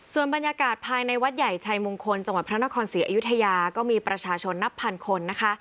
ส่วนบรรยากาศภายในวัดใหญ่ชัยมงคลจังหวัดพระนครศรีอยุธยาก็มีประชาชนนับพันคนนะคะ